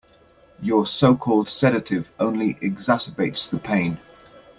Your so-called sedative only exacerbates the pain.